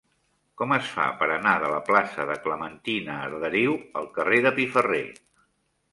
Com es fa per anar de la plaça de Clementina Arderiu al carrer de Piferrer?